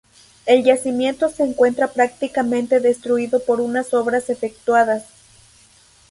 El yacimiento se encuentra prácticamente destruido por unas obras efectuadas.